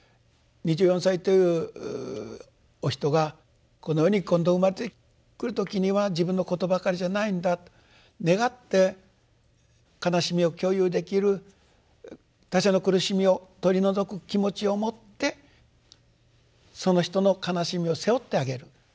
２４歳というお人がこの世に今度生まれてくる時には自分のことばかりじゃないんだと願って悲しみを共有できる他者の苦しみを取り除く気持ちを持ってその人の悲しみを背負ってあげる。